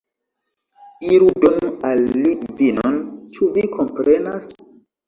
Iru, donu al li vinon, ĉu vi komprenas?